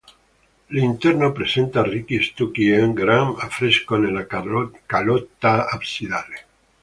L'interno presenta ricchi stucchi e un grande affresco nella calotta absidale.